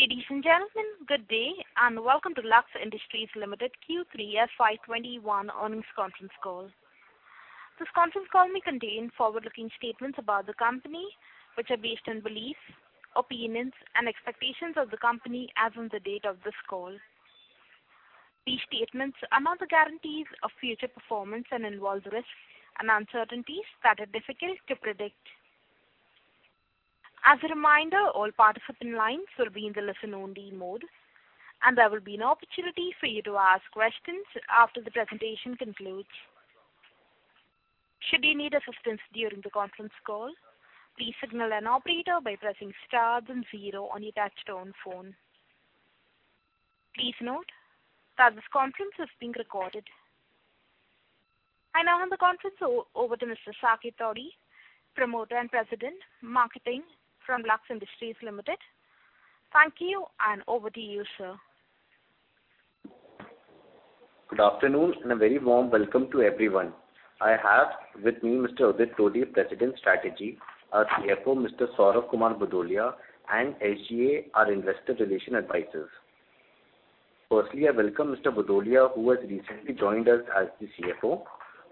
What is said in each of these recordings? Ladies and gentlemen, good day, and welcome to Lux Industries Limited Q3 FY 2021 Earnings Conference Call. This conference call may contain forward-looking statements about the company, which are based on beliefs, opinions, and expectations of the company as on the date of this call. These statements are not guarantees of future performance and involve risks and uncertainties that are difficult to predict. As a reminder, all participant lines will be in the listen-only mode, and there will be an opportunity for you to ask questions after the presentation concludes. Should you need assistance during the conference call, please signal an operator by pressing star then zero on your touchtone phone. Please note that this conference is being recorded. I now hand the conference over to Mr. Saket Todi, Promoter and President, Marketing from Lux Industries Limited. Thank you, and over to you, sir. Good afternoon, and a very warm welcome to everyone. I have with me Mr. Udit Todi, President, Strategy; our CFO, Mr. Saurabh Kumar Bhudolia; and SGA, our investor relations advisors. Firstly, I welcome Mr. Bhudolia, who has recently joined us as the CFO.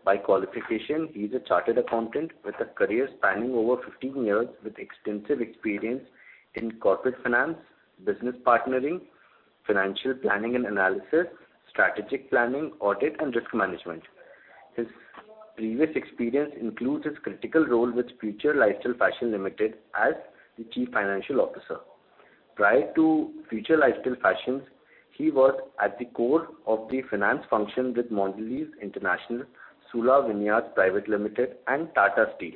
By qualification, he's a chartered accountant with a career spanning over 15 years, with extensive experience in corporate finance, business partnering, financial planning and analysis, strategic planning, audit, and risk management. His previous experience includes his critical role with Future Lifestyle Fashions Limited as the Chief Financial Officer. Prior to Future Lifestyle Fashions, he was at the core of the finance function with Mondelez International, Sula Vineyards Private Limited, and Tata Steel.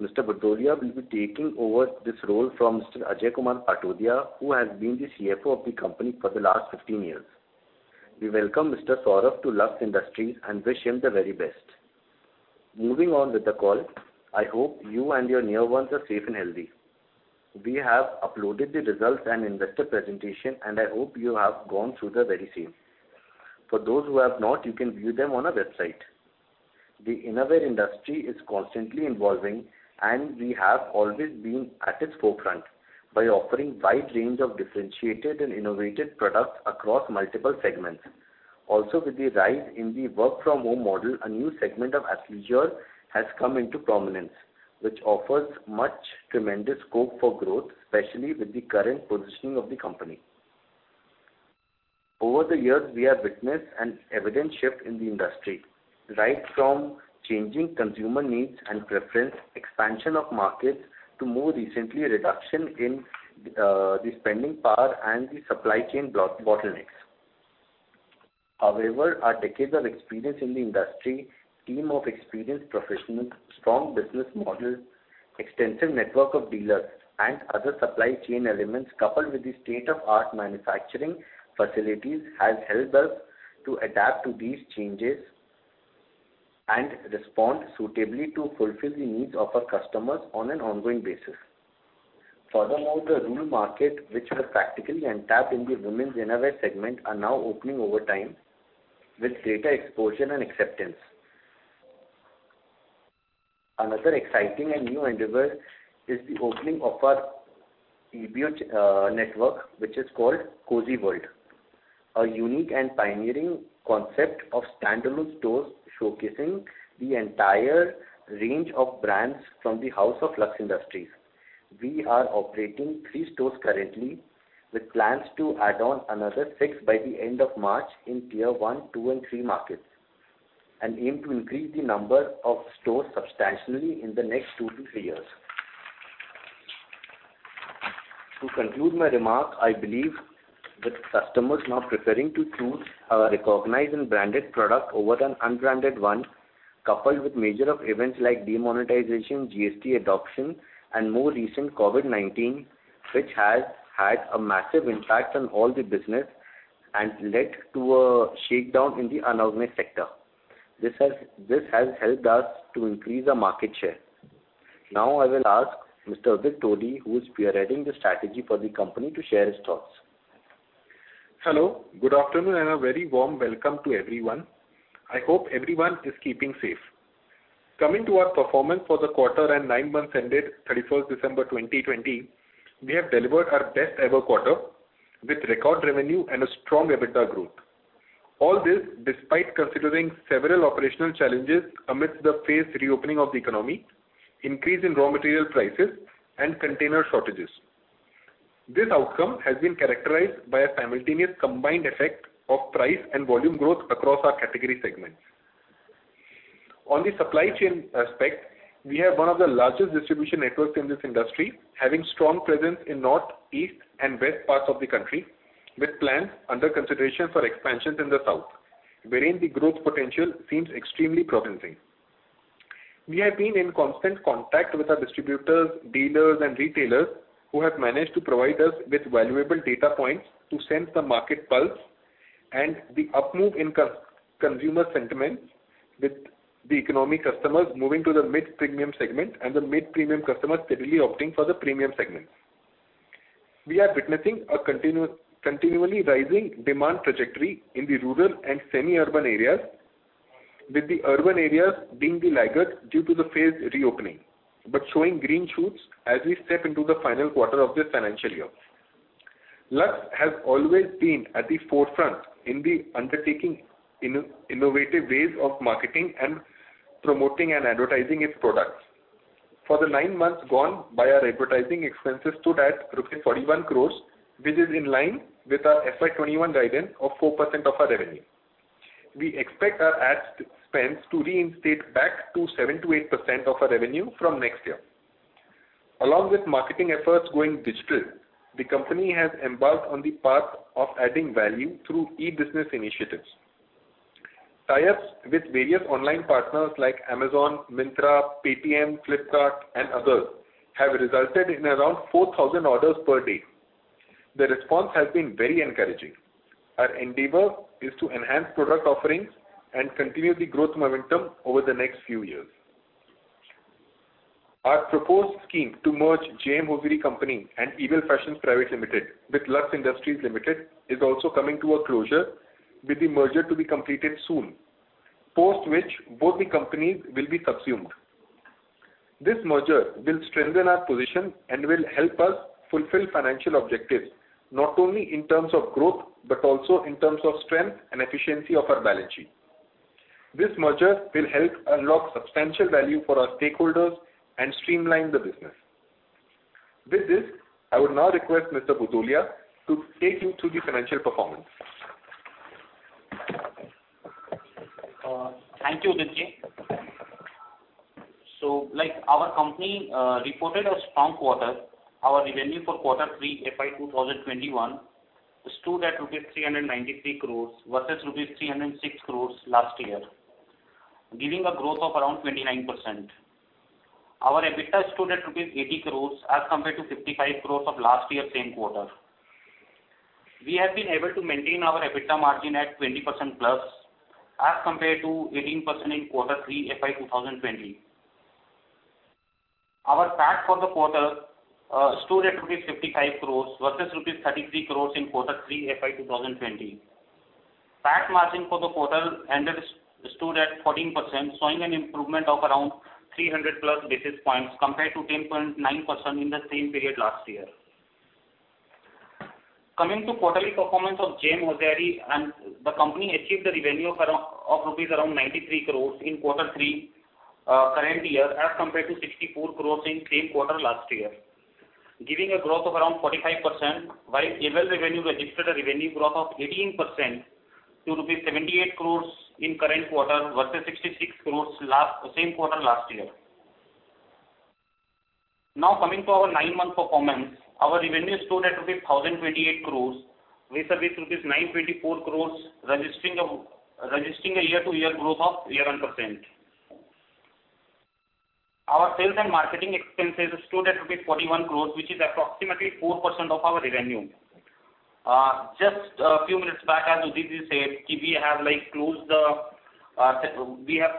Mr. Bhudolia will be taking over this role from Mr. Ajay Kumar Patodia, who has been the CFO of the company for the last 15 years. We welcome Mr. Saurabh to Lux Industries and wish him the very best. Moving on with the call, I hope you and your near ones are safe and healthy. We have uploaded the results and investor presentation, and I hope you have gone through the very same. For those who have not, you can view them on our website. The innerwear industry is constantly evolving, and we have always been at its forefront by offering wide range of differentiated and innovative products across multiple segments. Also, with the rise in the work-from-home model, a new segment of athleisure has come into prominence, which offers much tremendous scope for growth, especially with the current positioning of the company. Over the years, we have witnessed an evident shift in the industry, right from changing consumer needs and preference, expansion of markets, to more recently, a reduction in the spending power and the supply chain bottlenecks. However, our decades of experience in the industry, team of experienced professionals, strong business model, extensive network of dealers, and other supply chain elements, coupled with the state-of-the-art manufacturing facilities, has helped us to adapt to these changes and respond suitably to fulfill the needs of our customers on an ongoing basis. Furthermore, the rural market, which was practically untapped in the women's innerwear segment, are now opening over time with greater exposure and acceptance. Another exciting and new endeavor is the opening of our debut network, which is called Cozi World, a unique and pioneering concept of standalone stores showcasing the entire range of brands from the house of Lux Industries. We are operating three stores currently, with plans to add on another six by the end of March in Tier I, II, and III markets, and aim to increase the number of stores substantially in the next two to three years. To conclude my remarks, I believe with customers now preferring to choose a recognized and branded product over an unbranded one, coupled with major events like demonetization, GST adoption, and more recent, COVID-19, which has had a massive impact on all the business and led to a shakedown in the unorganized sector. This has helped us to increase our market share. Now I will ask Mr. Udit Todi, who is spearheading the strategy for the company, to share his thoughts. Hello, good afternoon, and a very warm welcome to everyone. I hope everyone is keeping safe. Coming to our performance for the quarter and nine months ended 31st December 2020, we have delivered our best ever quarter, with record revenue and a strong EBITDA growth. All this despite considering several operational challenges amidst the phased reopening of the economy, increase in raw material prices, and container shortages. This outcome has been characterized by a simultaneous combined effect of price and volume growth across our category segments. On the supply chain aspect, we have one of the largest distribution networks in this industry, having strong presence in north, east, and west parts of the country, with plans under consideration for expansions in the south, wherein the growth potential seems extremely promising. We have been in constant contact with our distributors, dealers, and retailers, who have managed to provide us with valuable data points to sense the market pulse and the up move in consumer sentiments, with the economy customers moving to the mid-premium segment and the mid-premium customers steadily opting for the premium segment. We are witnessing a continually rising demand trajectory in the rural and semi-urban areas, with the urban areas being the laggards due to the phased reopening, but showing green shoots as we step into the final quarter of this financial year. Lux has always been at the forefront in the undertaking innovative ways of marketing and promoting and advertising its products. For the nine months gone by, our advertising expenses stood at 41 crores, which is in line with our FY 2021 guidance of 4% of our revenue. We expect our ad spends to reinstate back to 7%-8% of our revenue from next year. Along with marketing efforts going digital, the company has embarked on the path of adding value through e-business initiatives. Tie-ups with various online partners like Amazon, Myntra, Paytm, Flipkart, and others, have resulted in around 4,000 orders per day. The response has been very encouraging. Our endeavor is to enhance product offerings and continue the growth momentum over the next few years. Our proposed scheme to merge J.M. Hosiery Company and Ebell Fashions Private Limited with Lux Industries Limited, is also coming to a closure, with the merger to be completed soon, post which both the companies will be consumed. This merger will strengthen our position and will help us fulfill financial objectives, not only in terms of growth, but also in terms of strength and efficiency of our balance sheet. This merger will help unlock substantial value for our stakeholders and streamline the business. With this, I would now request Mr. Bhudolia to take you through the financial performance. Thank you, Uditji. So like our company reported a strong quarter, our revenue for quarter three, FY 2021, stood at rupees 393 crores versus rupees 306 crores last year, giving a growth of around 29%. Our EBITDA stood at rupees 80 crores, as compared to 55 crores of last year, same quarter. We have been able to maintain our EBITDA margin at 20% plus, as compared to 18% in quarter three, FY 2020. Our PAT for the quarter stood at rupees 55 crores versus rupees 33 crores in quarter three, FY 2020. PAT margin for the quarter ended stood at 14%, showing an improvement of around 300 plus basis points, compared to 10.9% in the same period last year. Coming to quarterly performance of J.M. Hosiery, and the company achieved a revenue of around 93 crores rupees in quarter three, current year, as compared to 64 crores in same quarter last year, giving a growth of around 45%. While Ebell revenue registered a revenue growth of 18% to rupees 78 crores in current quarter, versus 66 crores same quarter last year. Now, coming to our nine-month performance, our revenue stood at rupees 1,028 crores, versus rupees 924 crores, registering a year-on-year growth of 11%. Our sales and marketing expenses stood at rupees 41 crores, which is approximately 4% of our revenue. Just a few minutes back, as Udit said, we have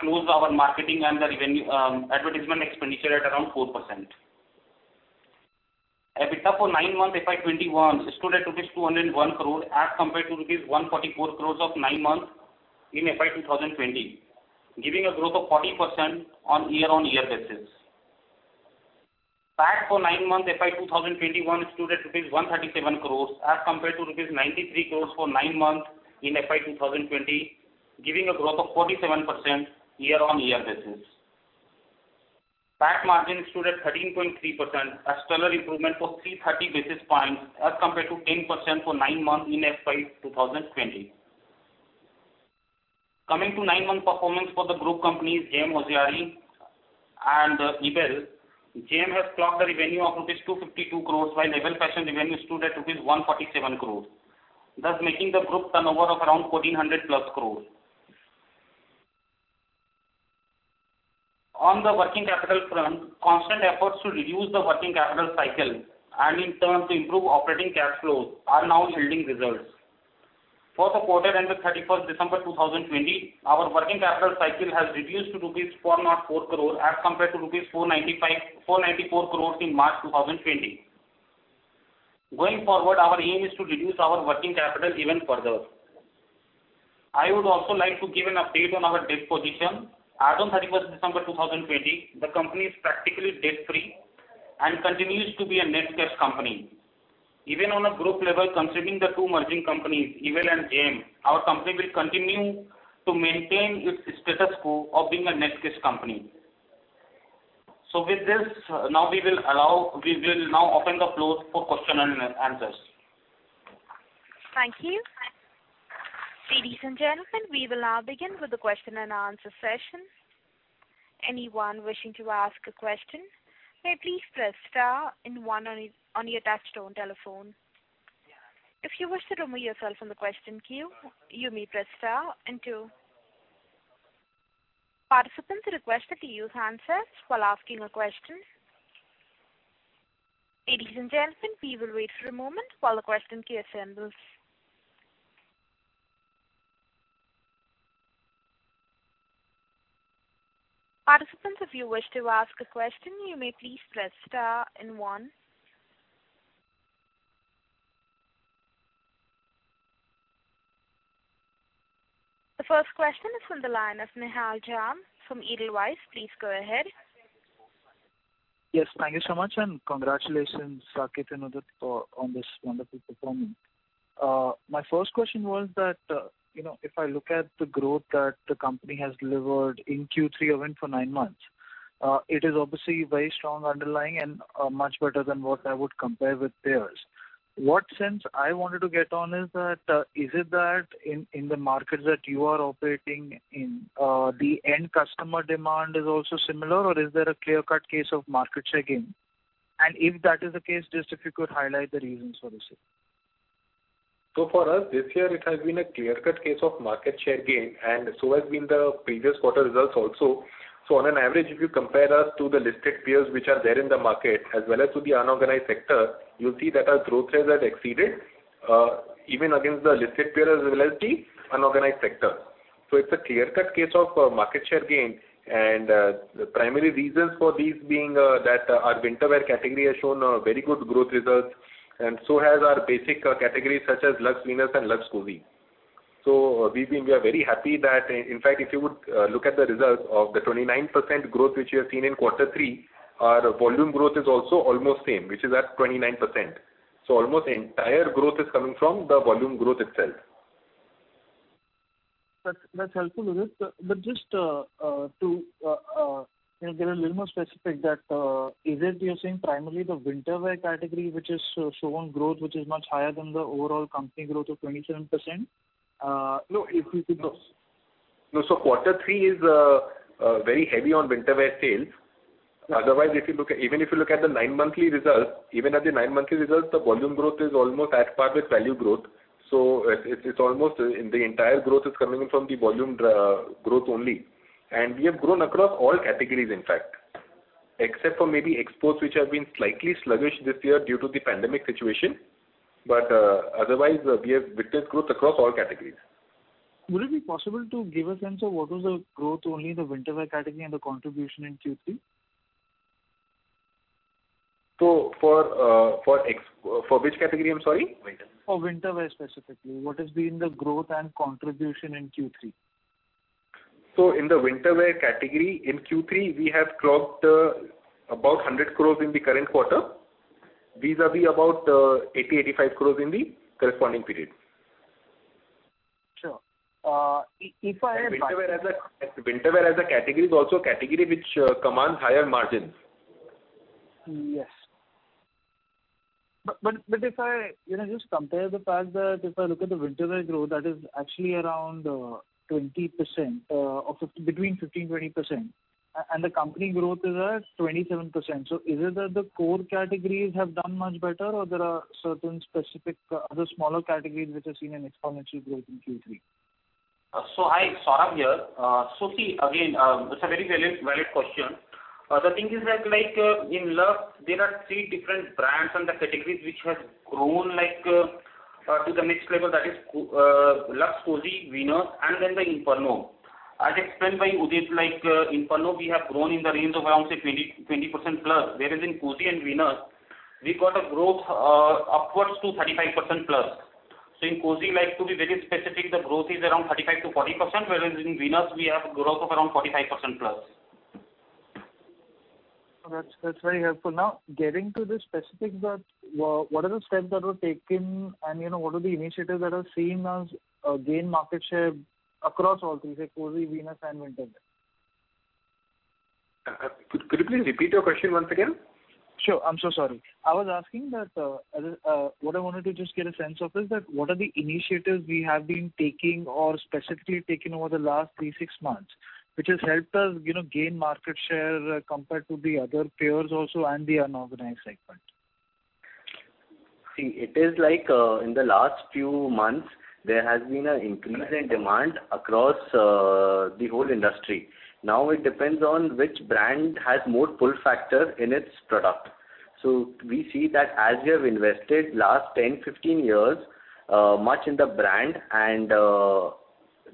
closed our marketing and the revenue, advertisement expenditure at around 4%. EBITDA for nine months, FY 2021, stood at rupees 201 crore, as compared to rupees 144 crores of nine months in FY 2020, giving a growth of 40% on year-on-year basis. PAT for nine months, FY 2021, stood at 137 crores, as compared to 93 crores for nine months in FY 2020, giving a growth of 47% year-on-year basis. PAT margin stood at 13.3%, a stellar improvement of 330 basis points, as compared to 10% for nine months in FY 2020. Coming to nine-month performance for the group companies, J.M. Hosiery and Ebell, J.M. Hosiery has clocked a revenue of INR 252 crores, while Ebell Fashions revenue stood at INR 147 crore, thus making the group turnover of around 1,400 crore. On the working capital front, constant efforts to reduce the working capital cycle and in turn to improve operating cash flows are now yielding results. For the quarter ended 31st December 2020, our working capital cycle has reduced to rupees 404 crore, as compared to rupees 494 crores in March 2020. Going forward, our aim is to reduce our working capital even further. I would also like to give an update on our debt position. As on 31st December 2020, the company is practically debt-free and continues to be a net cash company. Even on a group level, considering the two merging companies, Ebell and J.M., our company will continue to maintain its status quo of being a net cash company. So with this, now we will open the floor for question-and-answers. Thank you. Ladies and gentlemen, we will now begin with the question-and-answer session. Anyone wishing to ask a question may please press star and one on your touch-tone telephone. If you wish to remove yourself from the question queue, you may press star and two. Participants are requested to use handsets while asking a question. Ladies and gentlemen, we will wait for a moment while the question queue assembles. Participants, if you wish to ask a question, you may please press star and one. The first question is from the line of Nihal Jham from Edelweiss. Please go ahead. Yes, thank you so much, and congratulations, Saket and Udit, for on this wonderful performance. My first question was that, you know, if I look at the growth that the company has delivered in Q3 even for nine months, it is obviously very strong underlying and, much better than what I would compare with peers. What sense I wanted to get on is that, is it that in, in the markets that you are operating in, the end customer demand is also similar? Or is there a clear-cut case of market share gain? And if that is the case, just if you could highlight the reasons for this. So for us, this year it has been a clear-cut case of market share gain, and so has been the previous quarter results also. So on an average, if you compare us to the listed peers which are there in the market, as well as to the unorganized sector, you'll see that our growth rates have exceeded, even against the listed peer, as well as the unorganized sector. So it's a clear-cut case of, market share gain, and, the primary reasons for these being, that, our winter wear category has shown, very good growth results, and so has our basic, categories, such as Lux Venus and Lux Cozi. So we've been... We are very happy that, in fact, if you would, look at the results of the 29% growth, which you have seen in quarter three, our volume growth is also almost same, which is at 29%. So almost the entire growth is coming from the volume growth itself. That's helpful, Udit. But just to, you know, get a little more specific that is it you're saying primarily the winter wear category, which has shown growth, which is much higher than the overall company growth of 27%? No, if you could- No, so quarter three is very heavy on winter wear sales. Yeah. Otherwise, if you look at even if you look at the nine monthly results, even at the nine monthly results, the volume growth is almost at par with value growth. So it, it, it's almost, the entire growth is coming in from the volume growth only. And we have grown across all categories, in fact, except for maybe exports, which have been slightly sluggish this year due to the pandemic situation. But, otherwise, we have witnessed growth across all categories. Would it be possible to give a sense of what was the growth only in the winter wear category and the contribution in Q3? For which category? I'm sorry. For winter wear, specifically. What has been the growth and contribution in Q3? So in the winter wear category, in Q3, we have clocked about 100 crores in the current quarter. Vis-a-vis about 80 crores- 85 crores in the corresponding period. Sure. Winter wear as a category is also a category which commands higher margins. Yes. But if I, you know, just compare the fact that if I look at the winter wear growth, that is actually around 20%, or between 15%-20%, and the company growth is at 27%. So is it that the core categories have done much better, or there are certain specific other smaller categories which have seen an exponential growth in Q3? Hi, Saurabh here. See, again, it's a very valid question. The thing is that, like, in Lux, there are three different brands and the categories which have grown, like, to the next level, that is Lux Cozi, Venus, and then the Inferno. As explained by Udit, like, Inferno, we have grown in the range of around, say, 20% plus, whereas in Cozi and Venus, we've got a growth upwards to 35% plus. In Cozi, like, to be very specific, the growth is around 35%-40%, whereas in Venus, we have a growth of around 45% plus. That's, that's very helpful. Now, getting to the specifics that, well, what are the steps that were taken, and, you know, what are the initiatives that are seen as gain market share across all three, say, Cozi, Venus, and winter wear? Could you please repeat your question once again? Sure. I'm so sorry. I was asking that, as a... What I wanted to just get a sense of is that, what are the initiatives we have been taking or specifically taking over the last three, six months, which has helped us, you know, gain market share, compared to the other peers also, and the unorganized segment? See, it is like, in the last few months, there has been an increase in demand across, the whole industry. Now it depends on which brand has more pull factor in its product. So we see that as we have invested last ten, fifteen years, much in the brand and,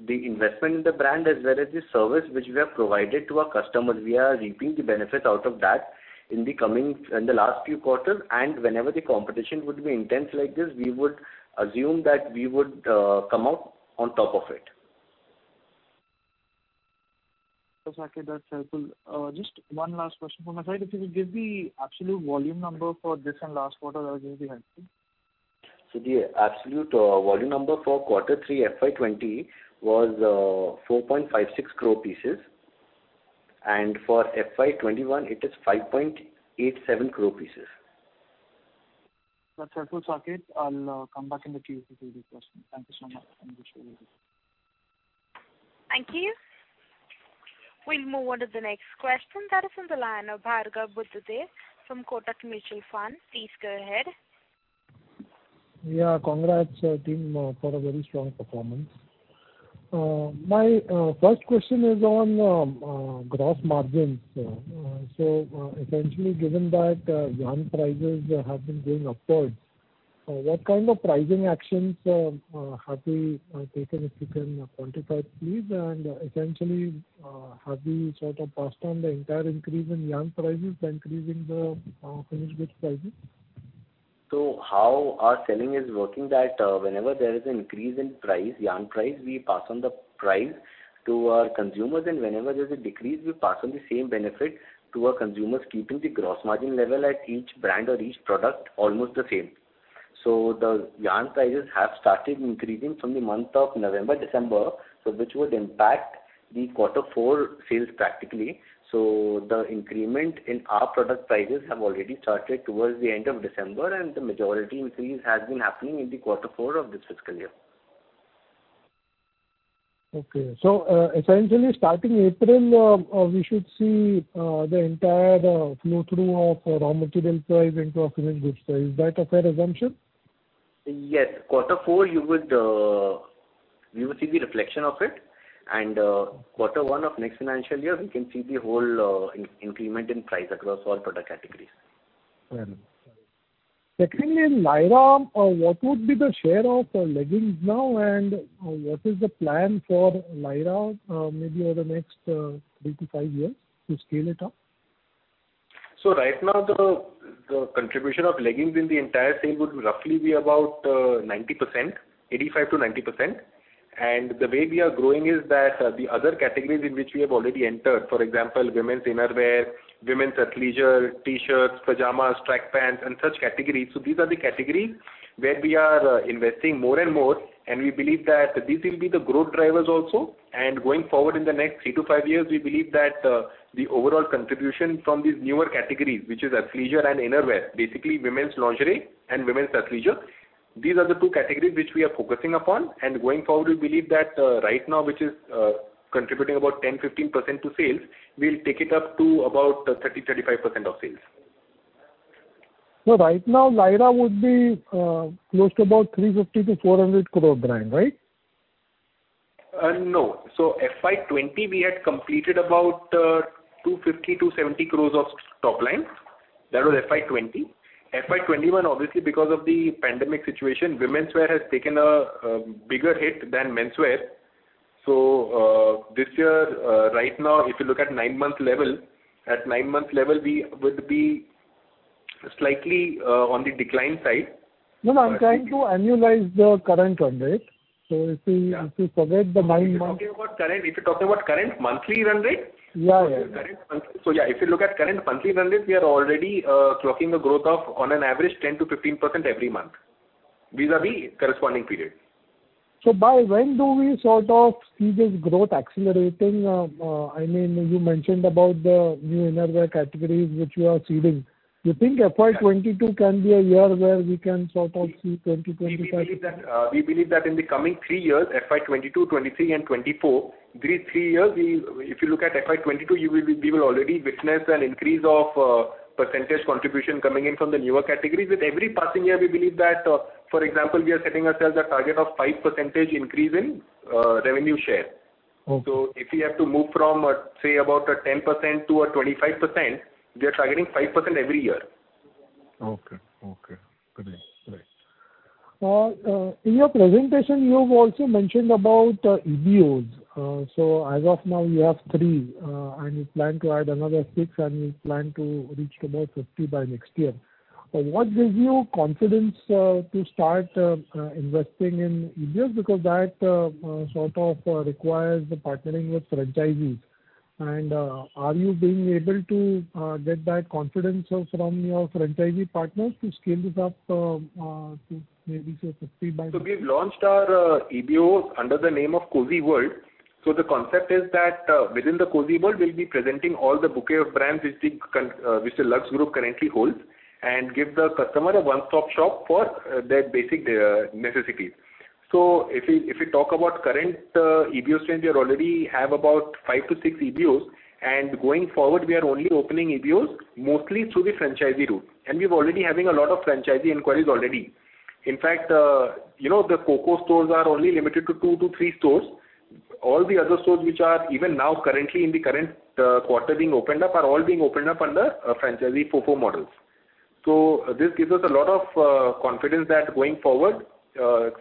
the investment in the brand, as well as the service which we have provided to our customers, we are reaping the benefit out of that in the last few quarters. And whenever the competition would be intense like this, we would assume that we would, come out on top of it. So Saket, that's helpful. Just one last question from my side. If you could give the absolute volume number for this and last quarter, that would really be helpful. The absolute volume number for quarter three, FY2020, was 4.56 crore pieces, and for FY2021, it is 5.87 crore pieces. That's helpful, Saket. I'll come back in the queue with any questions. Thank you so much. Thank you. We'll move on to the next question. That is on the line of Bhargav Buddhadev from Kotak Mutual Fund. Please go ahead. Yeah, congrats, team, for a very strong performance. My first question is on gross margins. So, essentially, given that yarn prices have been going upwards, what kind of pricing actions have you taken, if you can quantify, please? And essentially, have you sort of passed on the entire increase in yarn prices, increasing the finished goods prices? ... So how our selling is working that, whenever there is an increase in price, yarn price, we pass on the price to our consumers, and whenever there's a decrease, we pass on the same benefit to our consumers, keeping the gross margin level at each brand or each product almost the same. So the yarn prices have started increasing from the month of November, December, so which would impact the quarter four sales practically. So the increment in our product prices have already started towards the end of December, and the majority increase has been happening in the quarter four of this fiscal year. Okay. So, essentially, starting April, we should see the entire flow-through of raw material price into our consumer goods price. Is that a fair assumption? Yes. Quarter four, you would, you will see the reflection of it, and, quarter one of next financial year, you can see the whole, increment in price across all product categories. Secondly, Lyra, what would be the share of leggings now, and what is the plan for Lyra, maybe over the next three to five years to scale it up? Right now, the contribution of leggings in the entire sale would roughly be about 90%, 85%-90%. And the way we are growing is that the other categories in which we have already entered, for example, women's innerwear, women's athleisure, T-shirts, pajamas, track pants, and such categories, so these are the categories where we are investing more and more, and we believe that these will be the growth drivers also. And going forward in the next three to five years, we believe that the overall contribution from these newer categories, which is athleisure and innerwear, basically women's lingerie and women's athleisure, these are the two categories which we are focusing upon. And going forward, we believe that right now, which is contributing about 10%-15% to sales, we'll take it up to about 30%-35% of sales. So right now, Lyra would be close to about 350 crore-400 crore brand, right? No. So FY 2020, we had completed about 250 crores-270 crores of top line. That was FY 2020. FY 2021, obviously, because of the pandemic situation, womenswear has taken a bigger hit than menswear. So, this year, right now, if you look at nine-month level, we would be slightly on the decline side. No, no, I'm trying to annualize the current run rate. So if you- Yeah. If you forget the nine months- If you're talking about current monthly run rate? Yeah, yeah. Current monthly. So yeah, if you look at current monthly run rate, we are already clocking a growth of, on an average, 10%-15% every month, vis-à-vis corresponding period. So by when do we sort of see this growth accelerating? I mean, you mentioned about the new innerwear categories which you are seeding. You think FY 2022 can be a year where we can sort of see 2020-2025? We believe that in the coming three years, FY 2022, 2023 and 2024, these three years, if you look at FY 2022, you will, we will already witness an increase of percentage contribution coming in from the newer categories. With every passing year, we believe that, for example, we are setting ourselves a target of 5% increase in revenue share. Okay. So if we have to move from, say, about 10%-25%, we are targeting 5% every year. Okay, okay. Good, great. In your presentation, you've also mentioned about EBOs. So as of now, you have three, and you plan to add another six, and you plan to reach to about 50 by next year. What gives you confidence to start investing in EBOs? Because that sort of requires the partnering with franchisees. And, are you being able to get that confidence of, from your franchisee partners to scale this up to maybe say 50 by- So we've launched our EBOs under the name of Cozi World. The concept is that within the Cozi World, we'll be presenting all the bouquet of brands which the Lux Group currently holds, and give the customer a one-stop shop for their basic necessities. If we talk about current EBOs trend, we already have about five to six EBOs, and going forward, we are only opening EBOs mostly through the franchisee route, and we're already having a lot of franchisee inquiries already. In fact, you know, the FOFO stores are only limited to two to three stores. All the other stores which are even now currently in the current quarter being opened up are all being opened up under franchisee FOFO models. So this gives us a lot of confidence that going forward,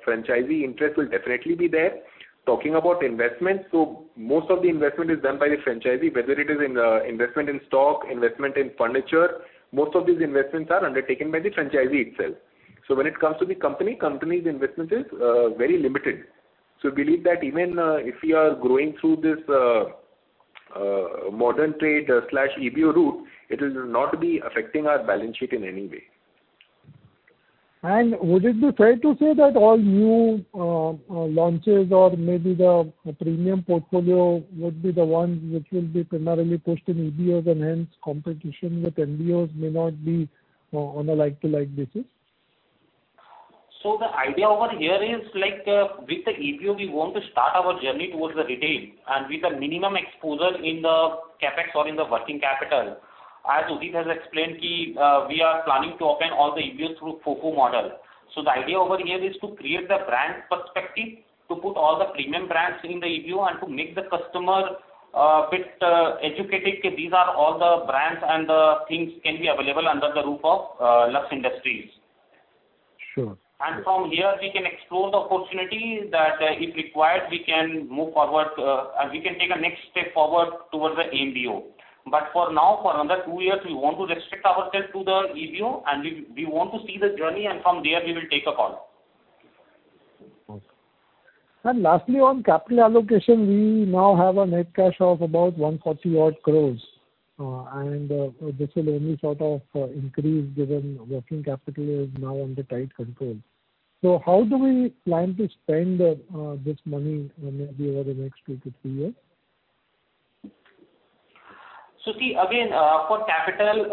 franchisee interest will definitely be there. Talking about investment, so most of the investment is done by the franchisee, whether it is in investment in stock, investment in furniture, most of these investments are undertaken by the franchisee itself. So when it comes to the company, company's investment is very limited. So we believe that even if we are growing through this modern trade/EBO route, it will not be affecting our balance sheet in any way. Would it be fair to say that all new launches or maybe the premium portfolio would be the one which will be primarily pushed in EBOs, and hence, competition with MBOs may not be on a like-to-like basis? So the idea over here is, like, with the EBO, we want to start our journey towards the retail, and with a minimum exposure in the CapEx or in the working capital. As Udit has explained, we are planning to open all the EBOs through FOFO model. So the idea over here is to create the brand perspective, to put all the premium brands in the EBO, and to make the customer, bit, educated, that these are all the brands and the things can be available under the roof of, Lux Industries.... Sure. And from here, we can explore the opportunity that, if required, we can move forward, and we can take a next step forward towards the MBO. But for now, for another two years, we want to restrict ourselves to the EBO, and we want to see the journey, and from there we will take a call. Okay. And lastly, on capital allocation, we now have a net cash of about 140 crore, and this will only sort of increase, given working capital is now under tight control. So how do we plan to spend this money, maybe over the next two to three years? So see, again, for capital,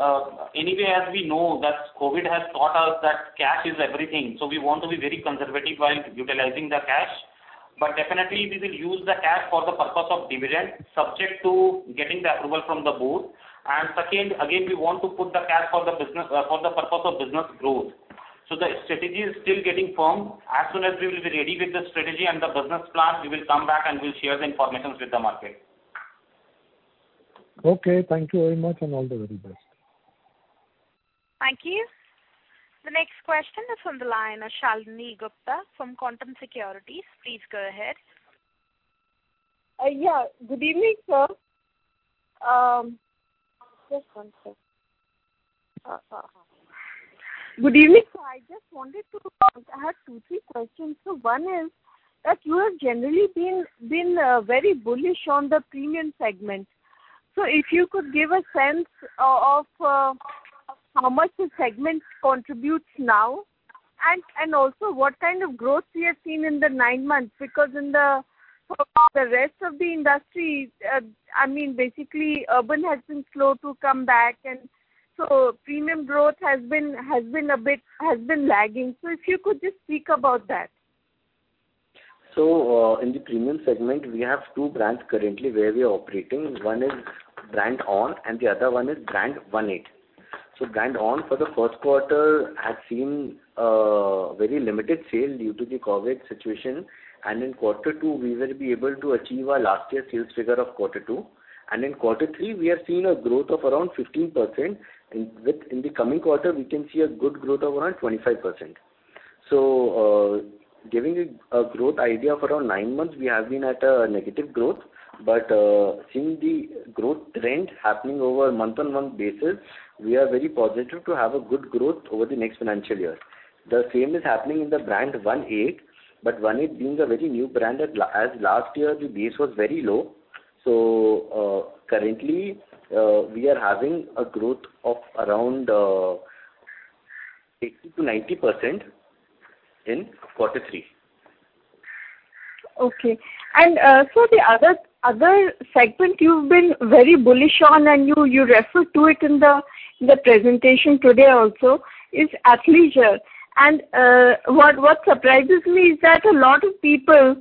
anyway, as we know, that COVID has taught us that cash is everything, so we want to be very conservative while utilizing the cash. But definitely we will use the cash for the purpose of dividend, subject to getting the approval from the board. And second, again, we want to put the cash for the business, for the purpose of business growth. So the strategy is still getting firmed. As soon as we will be ready with the strategy and the business plan, we will come back and we'll share the informations with the market. Okay, thank you very much, and all the very best. Thank you. The next question is from the line of Shalini Gupta from Quantum Securities. Please go ahead. Yeah. Good evening, sir. Good evening, sir. I just wanted to... I have two, three questions. So one is, that you have generally been very bullish on the premium segment. So if you could give a sense of how much the segment contributes now, and also what kind of growth you have seen in the nine months? Because, for the rest of the industry, I mean, basically, urban has been slow to come back, and so premium growth has been lagging. So if you could just speak about that. In the premium segment, we have two brands currently where we are operating. One is brand ONN and the other one is brand One8. Brand ONN for the first quarter has seen very limited sale due to the COVID situation, and in quarter two, we will be able to achieve our last year's sales figure of quarter two. In quarter three, we have seen a growth of around 15%. In the coming quarter, we can see a good growth of around 25%. Giving a growth idea for around nine months, we have been at a negative growth, but seeing the growth trend happening over a month-on-month basis, we are very positive to have a good growth over the next financial year. The same is happening in the brand One8, but One8 being a very new brand, as last year, the base was very low. So, currently, we are having a growth of around 80%-90% in quarter three. Okay. And so the other segment you've been very bullish on, and you referred to it in the presentation today also, is athleisure. And what surprises me is that a lot of people,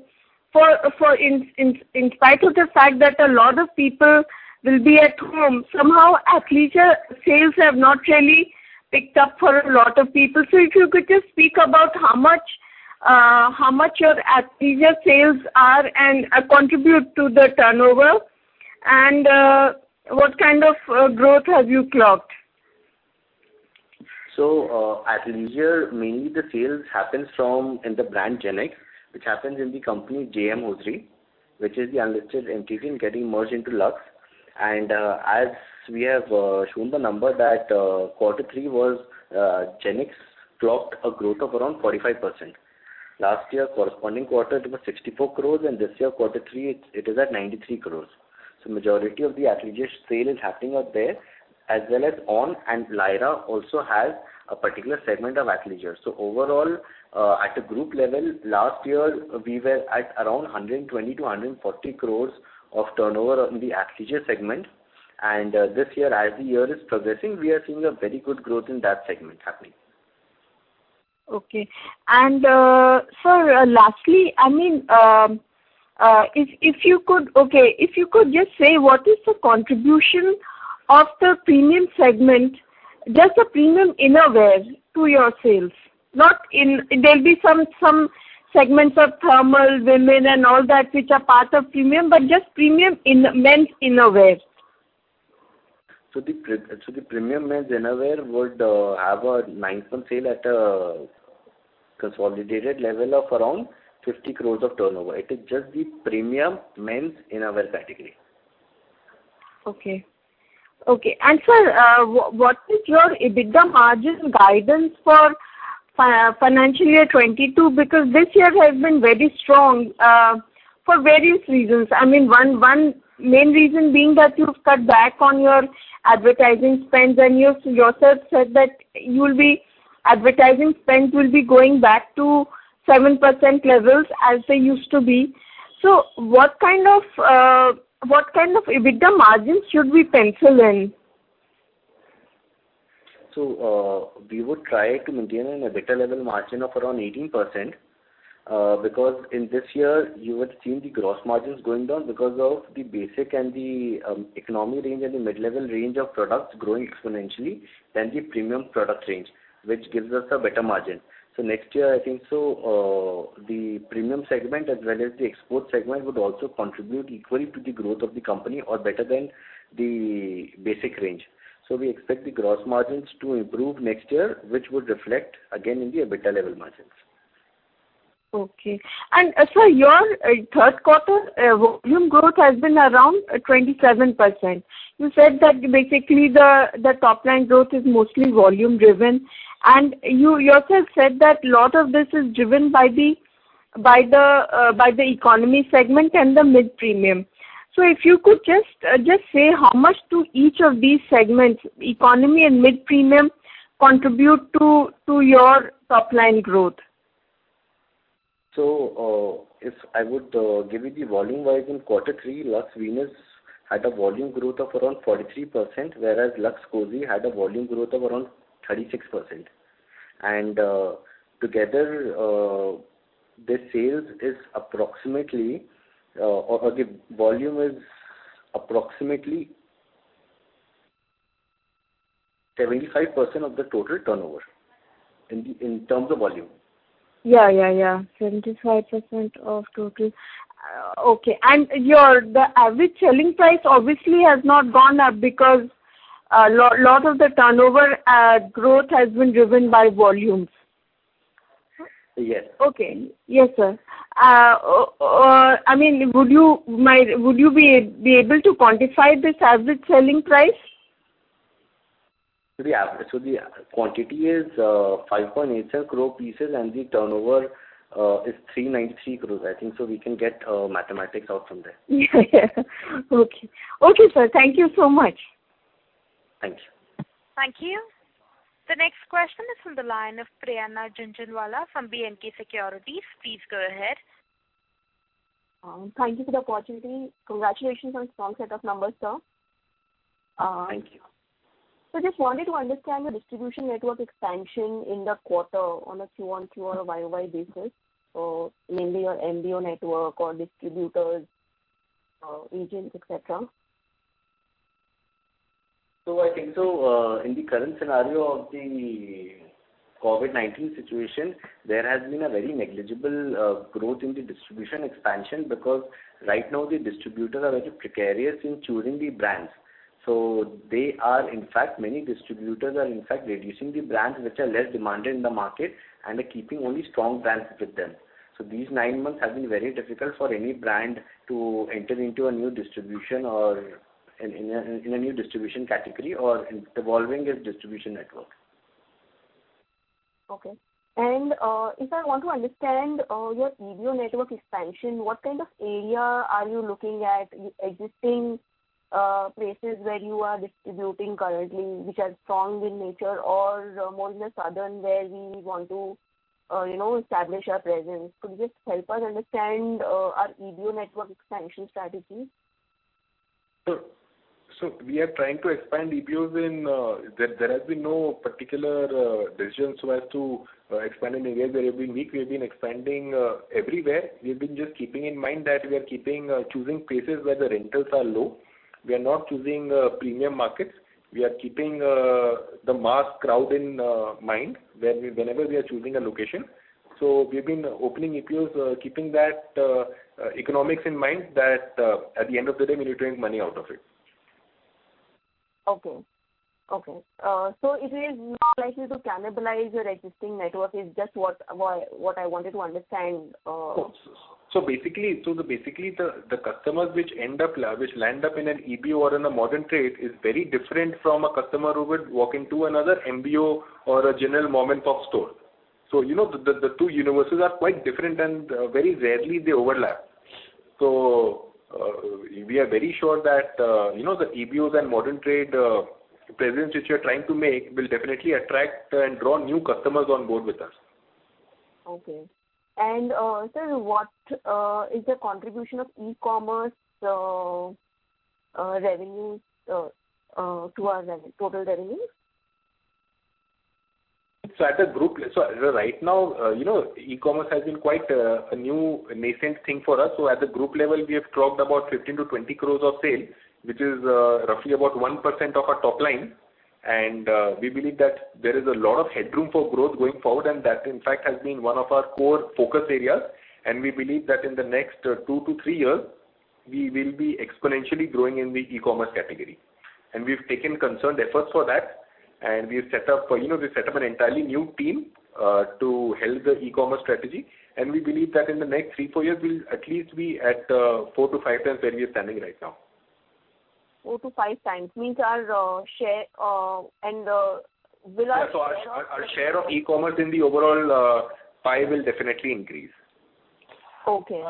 in spite of the fact that a lot of people will be at home, somehow athleisure sales have not really picked up for a lot of people. So if you could just speak about how much your athleisure sales are and contribute to the turnover, and what kind of growth have you clocked? So, athleisure, mainly the sales happens from in the brand GenX, which happens in the company J.M. Hosiery, which is the unlisted entity getting merged into Lux. And, as we have shown the number that, quarter three was, GenX clocked a growth of around 45%. Last year, corresponding quarter, it was 64 crores, and this year, quarter three, it, it is at 93 crores. So majority of the athleisure sale is happening out there, as well as ONN and Lyra also have a particular segment of athleisure. So overall, at a group level, last year, we were at around 120 crores-140 crores of turnover on the athleisure segment, and, this year, as the year is progressing, we are seeing a very good growth in that segment happening. Okay. And sir, lastly, I mean, if you could just say what is the contribution of the premium segment, just the premium innerwear to your sales? Not in—there'll be some segments of thermal, women and all that, which are part of premium, but just premium innerwear men's innerwear. The premium men's innerwear would have a nine-month sale at a consolidated level of around 50 crores of turnover. It is just the premium men's innerwear category. Okay. Okay, and sir, what is your EBITDA margin guidance for financial year 2022? Because this year has been very strong for various reasons. I mean, one main reason being that you've cut back on your advertising spends, and you yourself said that advertising spends will be going back to 7% levels, as they used to be. So what kind of EBITDA margin should we pencil in? So, we would try to maintain an EBITDA level margin of around 18%, because in this year, you would see the gross margins going down because of the basic and the economic range and the mid-level range of products growing exponentially than the premium product range, which gives us a better margin. So next year, I think so, the premium segment as well as the export segment would also contribute equally to the growth of the company or better than the basic range. So we expect the gross margins to improve next year, which would reflect again in the EBITDA level margins. Okay. Sir, your third quarter volume growth has been around 27%. You said that basically the top line growth is mostly volume driven, and you yourself said that a lot of this is driven by the economy segment and the mid-premium. So if you could just say how much do each of these segments, economy and mid-premium, contribute to your top line growth? If I would give you the volume-wise in quarter three, Lux Venus had a volume growth of around 43%, whereas Lux Cozi had a volume growth of around 36%. Together, the sales is approximately, or the volume is approximately 75% of the total turnover, in terms of volume. Yeah, yeah, yeah, 75% of total. Okay, and the average selling price obviously has not gone up because a lot of the turnover growth has been driven by volumes. Yes. Okay. Yes, sir. I mean, would you be able to quantify this average selling price? The average quantity is 5.8 crore pieces, and the turnover is 393 crores, I think, so we can get mathematics out from there. Okay. Okay, sir, thank you so much. Thanks. Thank you. The next question is from the line of Prerna Jhunjhunwala from B&K Securities. Please go ahead. Thank you for the opportunity. Congratulations on strong set of numbers, sir. Thank you. So just wanted to understand the distribution network expansion in the quarter on a Q-on-Q or a Y-o-Y basis, mainly your MBO network or distributors, agents, et cetera. I think, in the current scenario of the COVID-19 situation, there has been a very negligible growth in the distribution expansion, because right now the distributors are very precarious in choosing the brands. In fact, many distributors are reducing the brands which are less demanded in the market and are keeping only strong brands with them. These nine months have been very difficult for any brand to enter into a new distribution or in a new distribution category or evolving its distribution network. Okay. And, if I want to understand your EBO network expansion, what kind of area are you looking at existing places where you are distributing currently, which are strong in nature or more in the southern, where we want to, you know, establish our presence? Could you just help us understand our EBO network expansion strategy? We are trying to expand EBOs. There has been no particular decision so as to expand in a way that every week we have been expanding everywhere. We've been just keeping in mind that we are choosing places where the rentals are low. We are not choosing premium markets. We are keeping the mass crowd in mind, wherever we are choosing a location. We've been opening EBOs keeping that economics in mind, that at the end of the day, we need to make money out of it. Okay. Okay. So it is not likely to cannibalize your existing network is just what I wanted to understand. So basically the customers which land up in an EBO or in a modern trade is very different from a customer who would walk into another MBO or a general mom-and-pop store. So you know, the two universes are quite different and very rarely they overlap. So we are very sure that you know, the EBOs and modern trade presence which we are trying to make will definitely attract and draw new customers on board with us. Okay. And, sir, what is the contribution of e-commerce revenue to our revenue, total revenues? So right now, you know, e-commerce has been quite a new nascent thing for us. So at the group level, we have dropped about 15-20 crores of sales, which is roughly about 1% of our top line. And we believe that there is a lot of headroom for growth going forward, and that, in fact, has been one of our core focus areas. And we believe that in the next two to three years, we will be exponentially growing in the e-commerce category. And we've taken concerted efforts for that, and we've set up, you know, we've set up an entirely new team to help the e-commerce strategy. And we believe that in the next three to four years, we'll at least be at 4x-5x where we are standing right now. Four to five times, means our share and will our share of- Yes, our share of e-commerce in the overall pie will definitely increase. Okay.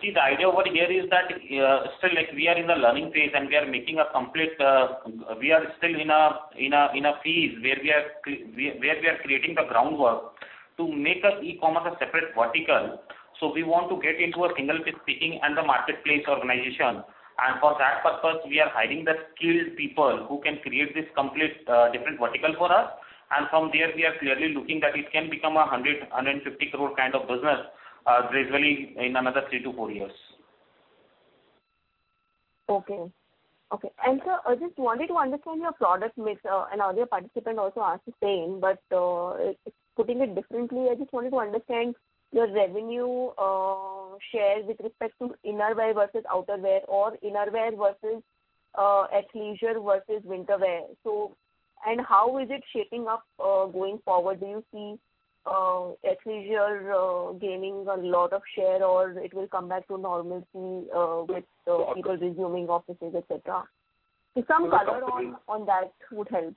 See, the idea over here is that, still, like, we are in the learning phase, and we are making a complete, we are still in a phase where we are creating the groundwork to make our e-commerce a separate vertical. So we want to get into a single picking and the marketplace organization. And for that purpose, we are hiring the skilled people who can create this complete, different vertical for us. And from there, we are clearly looking that it can become a 150 crore kind of business, gradually in another three to four years. Okay. Okay. And, sir, I just wanted to understand your product mix, and other participant also asked the same, but, putting it differently, I just wanted to understand your revenue, share with respect to innerwear versus outerwear or innerwear versus, athleisure versus winterwear. And how is it shaping up, going forward? Do you see, athleisure, gaining a lot of share, or it will come back to normalcy, with people resuming offices, et cetera? Some color on that would help.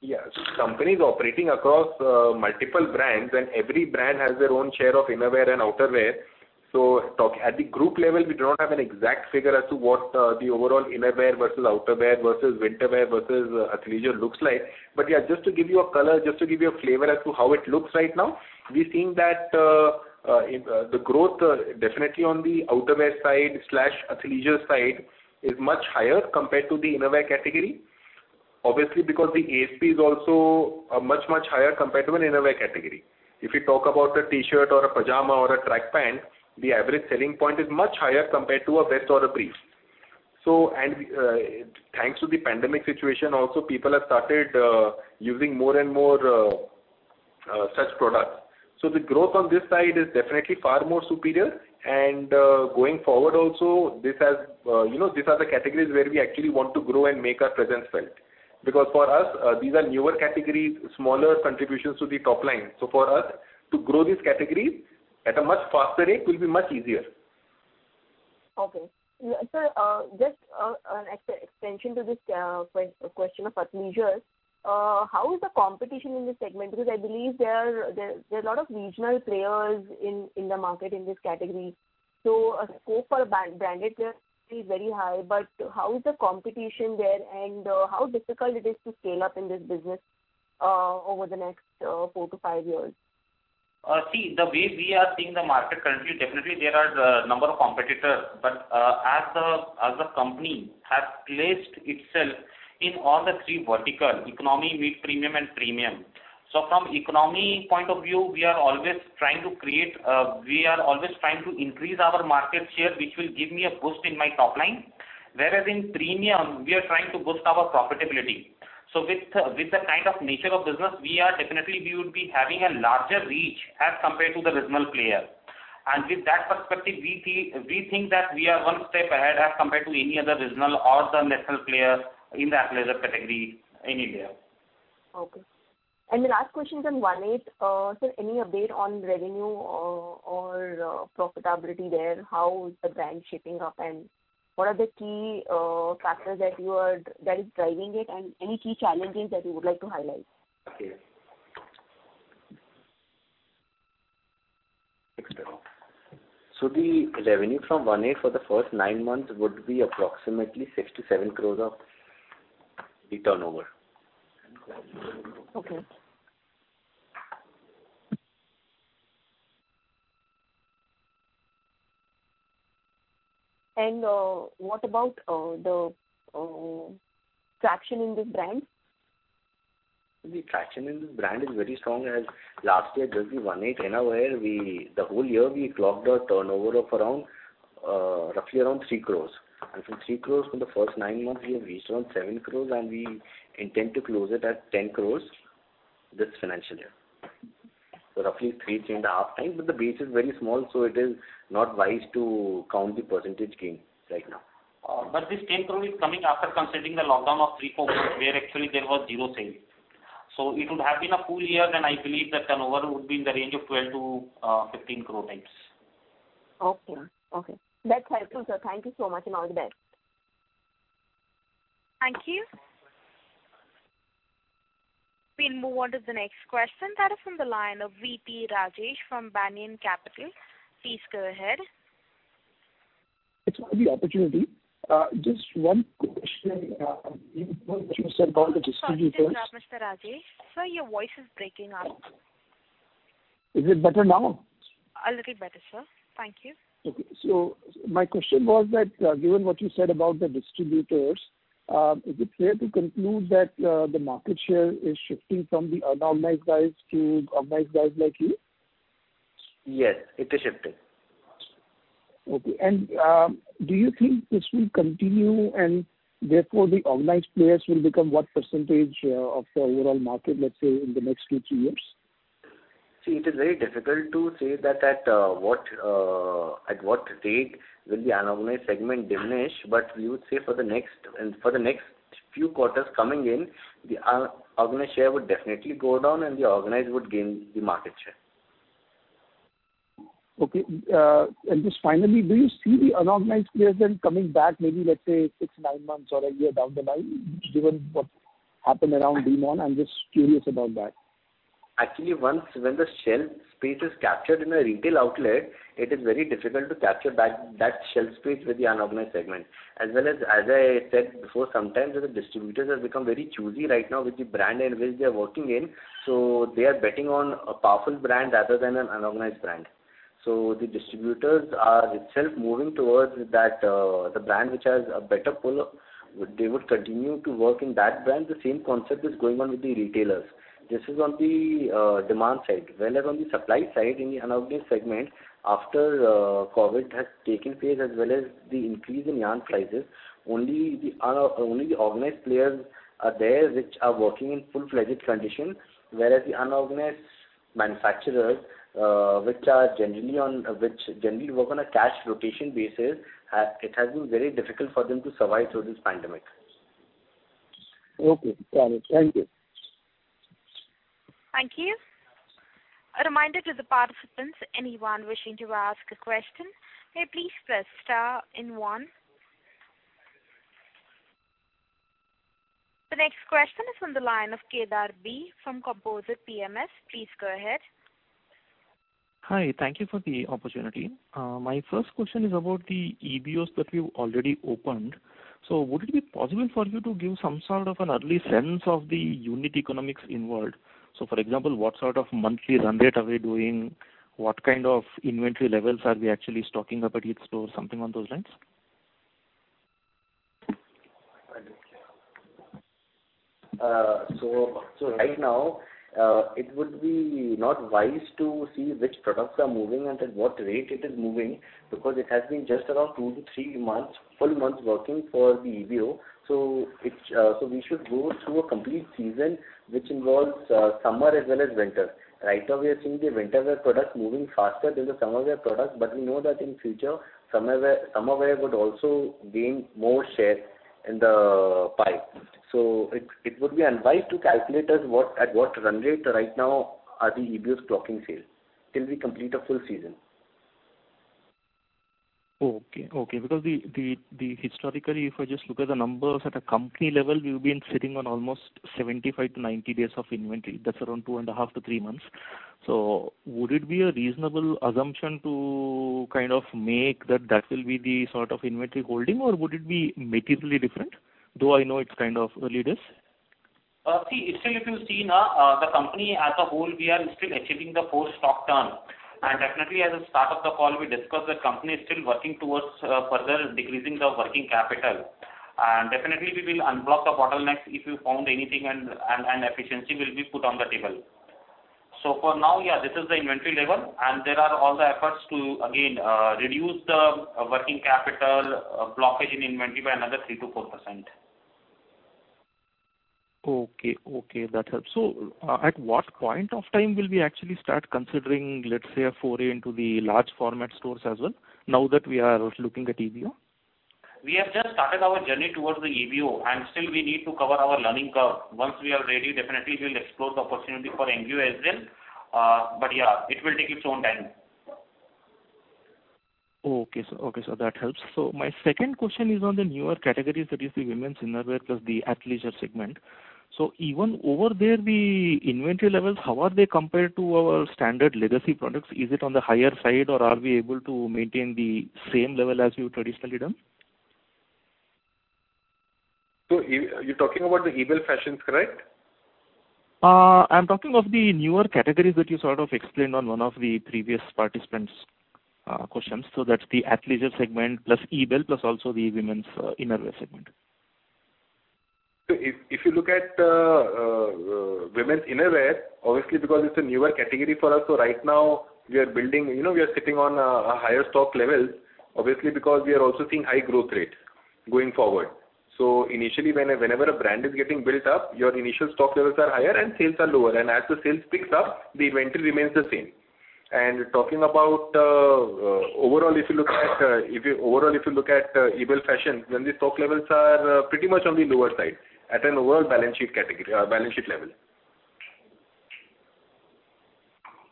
Yes. Company is operating across multiple brands, and every brand has their own share of innerwear and outerwear. So at the group level, we do not have an exact figure as to what the overall innerwear versus outerwear versus winterwear versus athleisure looks like. But, yeah, just to give you a color, just to give you a flavor as to how it looks right now, we're seeing that the growth definitely on the outerwear side slash athleisure side is much higher compared to the innerwear category. Obviously, because the ASP is also much, much higher compared to an innerwear category. If you talk about a T-shirt or a pajama or a track pant, the average selling point is much higher compared to a vest or a brief. So and thanks to the pandemic situation, also, people have started using more and more such products. So the growth on this side is definitely far more superior. And going forward also, this has, you know, these are the categories where we actually want to grow and make our presence felt. Because for us, these are newer categories, smaller contributions to the top line. So for us to grow these categories at a much faster rate will be much easier. Okay. Sir, just an extension to this question of athleisure. How is the competition in this segment? Because I believe there are a lot of regional players in the market in this category, so a scope for a branded player is very high. But how is the competition there, and how difficult it is to scale up in this business over the next four to five years? See, the way we are seeing the market currently, definitely there are a number of competitors, but, as the company has placed itself in all the three vertical: economy, mid-premium and premium. So from economy point of view, we are always trying to increase our market share, which will give me a boost in my top line. Whereas in premium, we are trying to boost our profitability. So with the kind of nature of business, we definitely would be having a larger reach as compared to the regional player. And with that perspective, we feel, we think that we are one step ahead as compared to any other regional or the national player in the athleisure category in India. Okay. And the last question is on One8. Sir, any update on revenue or profitability there? How is the brand shaping up, and what are the key factors that is driving it, and any key challenges that you would like to highlight? Okay, so the revenue from One8 for the first nine months would be approximately 67 crores of the turnover. Okay. And what about the traction in this brand? The traction in this brand is very strong. As last year, just the One8 innerwear, we, the whole year, we clocked a turnover of around, roughly around 3 crores. From 3 crores for the first nine months, we have reached around 7 crores, and we intend to close it at 10 crores this financial year. Roughly three, 3.5x, but the base is very small, so it is not wise to count the percentage gain right now. But this 10 crore is coming after considering the lockdown of three to four months, where actually there was zero sales. It would have been a full year, then I believe the turnover would be in the range of 12 crore-15 crore rupees. Okay. Okay. That's helpful, sir. Thank you so much, and all the best. Thank you. We'll move on to the next question. That is from the line of VP Rajesh from Banyan Capital. Please go ahead. Thanks for the opportunity. Just one question, what you said about the distributors- Sorry to interrupt, Mr. Rajesh. Sir, your voice is breaking up. Is it better now? A little better, sir. Thank you. Okay. So my question was that, given what you said about the distributors, is it fair to conclude that the market share is shifting from the unorganized guys to organized guys like you? Yes, it is shifting. Okay. And, do you think this will continue, and therefore, the organized players will become what percentage of the overall market, let's say, in the next two, three years? See, it is very difficult to say that at what date will the unorganized segment diminish, but we would say for the next few quarters coming in, the unorganized share would definitely go down, and the organized would gain the market share. Okay, and just finally, do you see the unorganized players then coming back, maybe, let's say, six, nine months or a year down the line, given what happened around demonetization? I'm just curious about that. Actually, once, when the shelf space is captured in a retail outlet, it is very difficult to capture back that shelf space with the unorganized segment. As well as, as I said before, sometimes the distributors have become very choosy right now with the brand in which they are working in, so they are betting on a powerful brand rather than an unorganized brand. So the distributors are itself moving towards that, the brand which has a better pull, they would continue to work in that brand. The same concept is going on with the retailers. This is on the, demand side. As on the supply side, in the unorganized segment, after COVID has taken place, as well as the increase in yarn prices, only the organized players are there which are working in full-fledged conditions, whereas the unorganized manufacturers, which generally work on a cash rotation basis, it has been very difficult for them to survive through this pandemic. Okay, got it. Thank you. ... Thank you. A reminder to the participants, anyone wishing to ask a question, may please press star and one. The next question is on the line of Kedar B from Composite PMS. Please go ahead. Hi. Thank you for the opportunity. My first question is about the EBOs that you've already opened, so would it be possible for you to give some sort of an early sense of the unit economics involved, so, for example, what sort of monthly run rate are we doing? What kind of inventory levels are we actually stocking up at each store? Something on those lines. So right now, it would be not wise to see which products are moving and at what rate it is moving, because it has been just around two to three months, full months working for the EBO. It's so we should go through a complete season, which involves summer as well as winter. Right now, we are seeing the winter wear products moving faster than the summer wear products, but we know that in future, summer wear would also gain more share in the pipe. It would be unwise to calculate at what run rate right now are the EBOs clocking sales, till we complete a full season. Okay, okay. Because the historically, if I just look at the numbers at a company level, we've been sitting on almost 75-90 days of inventory. That's around two and a half to three months. So would it be a reasonable assumption to kind of make that, that will be the sort of inventory holding, or would it be materially different? Though I know it's kind of early days. See, it's still. If you see now, the company as a whole, we are still achieving the full stock turn. Definitely, at the start of the call, we discussed the company is still working towards further decreasing the working capital. Definitely, we will unblock the bottlenecks if we found anything, and efficiency will be put on the table. For now, yeah, this is the inventory level, and there are all the efforts to again reduce the working capital blockage in inventory by another 3%-4%. Okay, okay, that helps. So, at what point of time will we actually start considering, let's say, a foray into the large format stores as well, now that we are looking at EBO? We have just started our journey towards the EBO, and still we need to cover our learning curve. Once we are ready, definitely we will explore the opportunity for FOFO as well. But yeah, it will take its own time. Okay, so that helps. So my second question is on the newer categories, that is the women's innerwear plus the athleisure segment. So even over there, the inventory levels, how are they compared to our standard legacy products? Is it on the higher side, or are we able to maintain the same level as we've traditionally done? So, you're talking about the Ebell Fashions, correct? I'm talking of the newer categories that you sort of explained on one of the previous participants' questions. So that's the athleisure segment, plus EBO, plus also the women's innerwear segment. So if you look at women's innerwear, obviously, because it's a newer category for us, so right now we are building. You know, we are sitting on a higher stock level, obviously, because we are also seeing high growth rate going forward. So initially, whenever a brand is getting built up, your initial stock levels are higher and sales are lower. And as the sales picks up, the inventory remains the same. And talking about overall, if you look at EBO fashion, then the stock levels are pretty much on the lower side, at an overall balance sheet category, balance sheet level.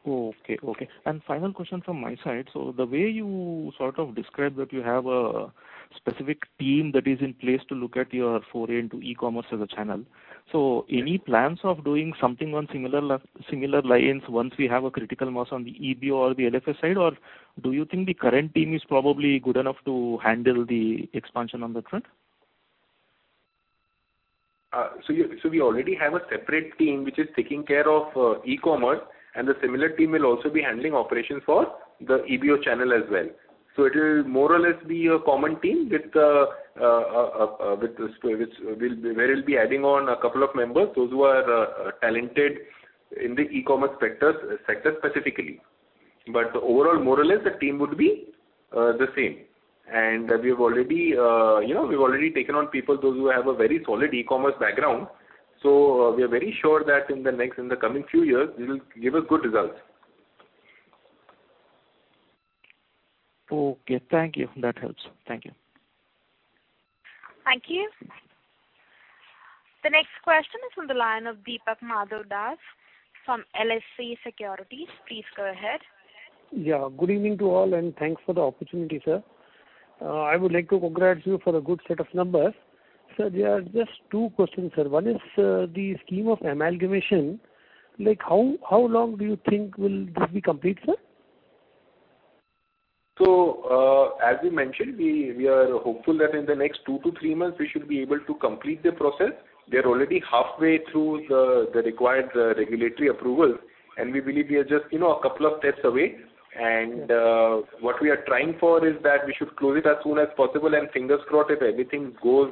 Okay, okay. And final question from my side. So the way you sort of described that you have a specific team that is in place to look at your foray into e-commerce as a channel, so any plans of doing something on similar lines once we have a critical mass on the EBO or the LFS side? Or do you think the current team is probably good enough to handle the expansion on that front? So yeah, so we already have a separate team which is taking care of e-commerce, and a similar team will also be handling operations for the EBO channel as well. So it will more or less be a common team with which we'll be, where we'll be adding on a couple of members, those who are talented in the e-commerce sector specifically. But overall, more or less, the team would be the same. And we have already, you know, we've already taken on people those who have a very solid e-commerce background, so we are very sure that in the next, in the coming few years, it'll give us good results. Okay. Thank you. That helps. Thank you. Thank you. The next question is on the line of Deepak Madhavdas from LSC Securities. Please go ahead. Yeah, good evening to all, and thanks for the opportunity, sir. I would like to congratulate you for a good set of numbers. Sir, there are just two questions, sir. One is, like, the scheme of amalgamation, how long do you think will this be complete, sir? As we mentioned, we are hopeful that in the next two to three months, we should be able to complete the process. We are already halfway through the required regulatory approvals, and we believe we are just, you know, a couple of tests away. What we are trying for is that we should close it as soon as possible, and fingers crossed, if everything goes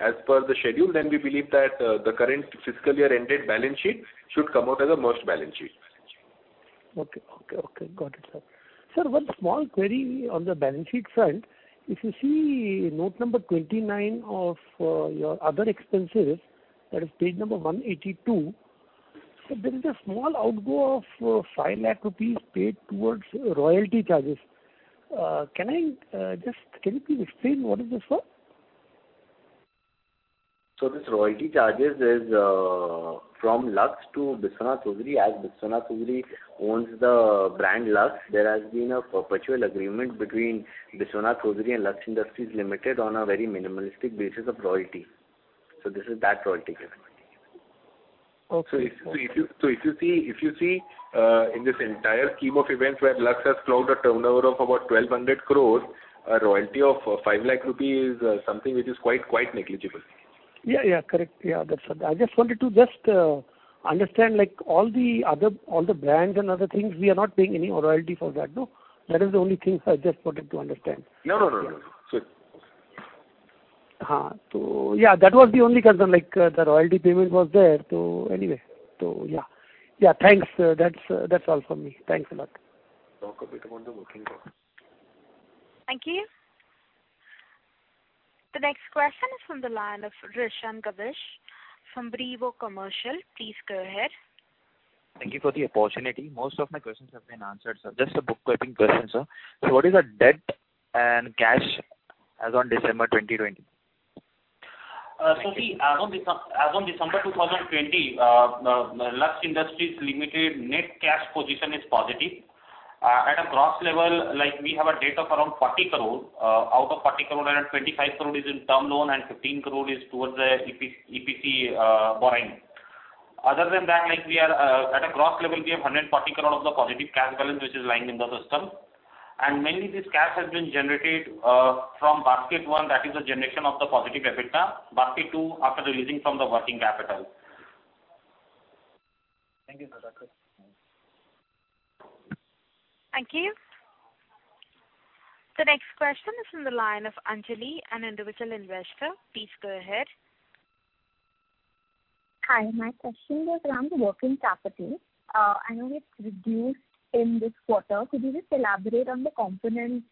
as per the schedule, then we believe that the current fiscal year-ended balance sheet should come out as a merged balance sheet. Okay, okay, okay. Got it, sir. Sir, one small query on the balance sheet front. If you see note number 29 of your other expenses, that is page number 182, so there is a small outflow of five lakh rupees paid towards royalty charges. Can you please explain what is this for? ...So this royalty charges is from Lux to Biswanath Hosiery. As Biswanath Hosiery owns the brand Lux, there has been a perpetual agreement between Biswanath Hosiery and Lux Industries Limited on a very minimalistic basis of royalty. So this is that royalty payment. Okay. If you see in this entire scheme of events, where Lux has plowed a turnover of about 1,200 crores, a royalty of 5 lakh rupees is something which is quite negligible. Yeah, yeah, correct. Yeah, that's it. I just wanted to just understand, like all the other-- all the brands and other things, we are not paying any royalty for that, no? That is the only thing I just wanted to understand. No, no, no, no. Sure. So yeah, that was the only concern, like, the royalty payment was there. So anyway, so yeah. Yeah, thanks. That's, that's all from me. Thanks a lot. Talk a bit on the working capital. Thank you. The next question is from the line of Rishabh Gavish from Brivo Commercial. Please go ahead. Thank you for the opportunity. Most of my questions have been answered, sir. Just a bookkeeping question, sir. So what is the debt and cash as on December 2020? See, as on December 2020, Lux Industries Limited net cash position is positive. At a gross level, like, we have a debt of around 40 crores. Out of 40 crore, around 25 crore is in term loan and 15 crore is towards the EPC borrowing. Other than that, like we are, at a gross level, we have 140 crore of the positive cash balance, which is lying in the system. And mainly this cash has been generated, from basket one, that is the generation of the positive EBITDA. Basket two, after releasing from the working capital. Thank you for that. Thank you. The next question is from the line of Anjali, an individual investor. Please go ahead. Hi, my question was around the working capital. I know it's reduced in this quarter. Could you just elaborate on the components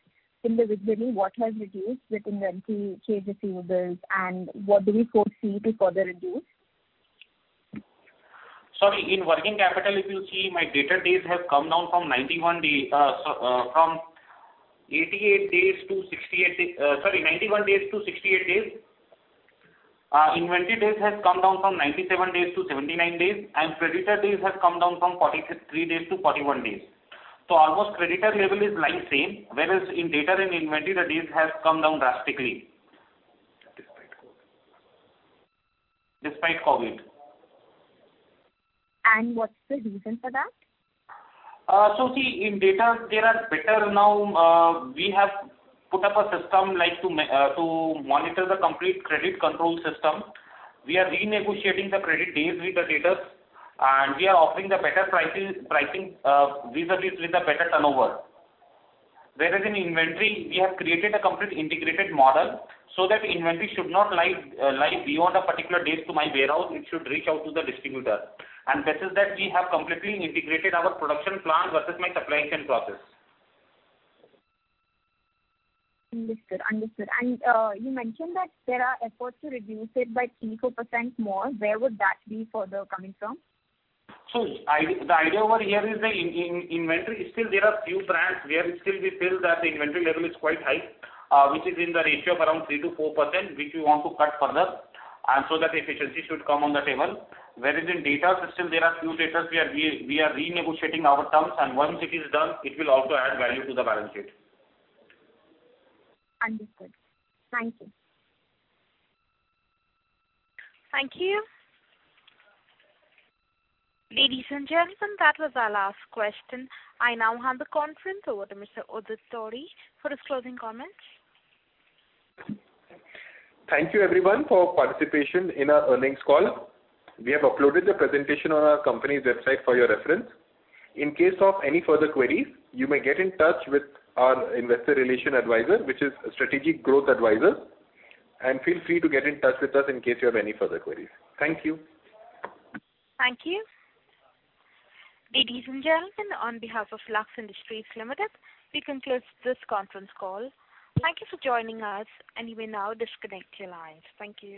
individually, what has reduced within the key receivables, and what do we foresee to further reduce? Sorry, in working capital, if you see, my debtor days have come down from 91 day, from 88 to 68 days, sorry, 91 days to 68 days. Inventory days has come down from 97 days to 79 days, and creditor days has come down from 43 days to 41 days. So almost creditor level is lying same, whereas in debtor and inventory, the days has come down drastically. Despite COVID. Despite COVID. What's the reason for that? So see, in debtors, there are better now. We have put up a system like to monitor the complete credit control system. We are renegotiating the credit days with the debtors, and we are offering the better pricing visibly with the better turnover. Whereas in inventory, we have created a complete integrated model, so that inventory should not lie beyond a particular days in my warehouse. It should reach out to the distributor. And this is that we have completely integrated our production plan versus my supply chain process. Understood, understood. And, you mentioned that there are efforts to reduce it by 3%-4% more. Where would that be further coming from? So I think the idea over here is the inventory. Still, there are few brands where still we feel that the inventory level is quite high, which is in the ratio of around 3%-4%, which we want to cut further, and so that efficiency should come on the table. Whereas in debtor system, there are few debtors, we are renegotiating our terms, and once it is done, it will also add value to the balance sheet. Understood. Thank you. Thank you. Ladies and gentlemen, that was our last question. I now hand the conference over to Mr. Udit Todi for his closing comments. Thank you everyone for participation in our earnings call. We have uploaded the presentation on our company's website for your reference. In case of any further queries, you may get in touch with our investor relation advisor, which is Strategic Growth Advisors, and feel free to get in touch with us in case you have any further queries. Thank you. Thank you. Ladies and gentlemen, on behalf of Lux Industries Limited, we conclude this conference call. Thank you for joining us, and you may now disconnect your lines. Thank you.